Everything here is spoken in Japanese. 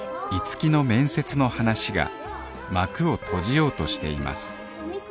樹の面接の話が幕を閉じようとしています。